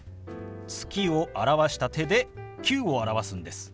「月」を表した手で「９」を表すんです。